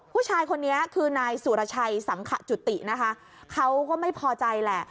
ผู้ชายคนนี้คือนายสุรชัยสังขจุตินะคะเขาก็ไม่พอใจแหละ